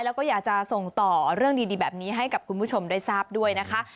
แล้วก็อยากจะส่งต่อเรื่องดีแบบนี้ให้กับคุณผู้ชมได้ทราบด้วยนะคะ